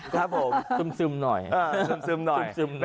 ครับผมซึมซึมหน่อยเออซึมซึมหน่อยซึมซึมหน่อย